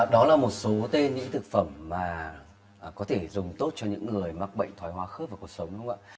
đó là một số tên những thực phẩm mà có thể dùng tốt cho những người mắc bệnh thoái hóa khớp vào cuộc sống